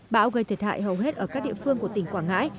bão gây thiệt hại hầu hết ở các địa phương của tỉnh quảng ngãi